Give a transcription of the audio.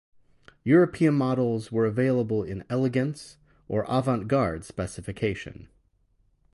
European models were available in 'Elegance' or 'Avantgarde' specification.